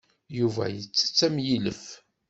Yuba yettett am yilef.